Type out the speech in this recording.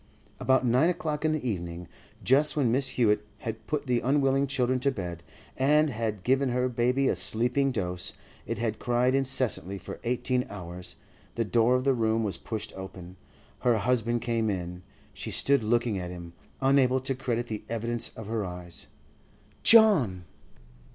... About nine o'clock in the evening, just when Mrs. Hewett had put the unwilling children to bed, and had given her baby a sleeping dose—it had cried incessantly for eighteen hours,—the door of the room was pushed open. Her husband came in. She stood looking at him—unable to credit the evidence of her eyes. 'John!